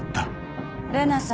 玲奈さん。